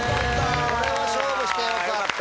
これは勝負してよかった。